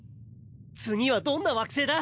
次はどんな惑星だ？